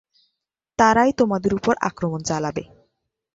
তারাই তোমাদের উপর আক্রমণ চালাবে।